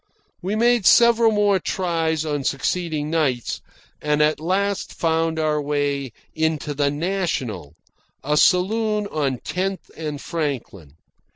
We made several more tries on succeeding nights, and at last found our way into the National, a saloon on Tenth and Franklin.